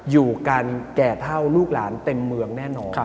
อยู่กันแก่เท่าลูกหลานเต็มเมืองแน่นอน